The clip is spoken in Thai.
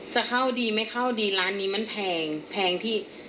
จะเข้าดีไม่เข้าดีร้านนี้มันแพงแพงที่